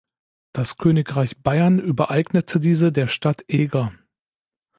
Das Königreich Bayern übereignete diese der Stadt Eger.